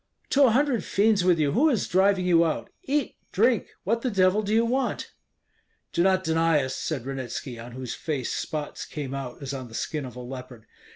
"To a hundred fiends with you, who is driving you out? Eat, drink! What the devil do you want?" "Do not deny us," said Ranitski, on whose face spots came out as on the skin of a leopard.